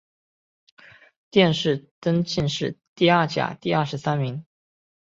殿试登进士第二甲第二十三名。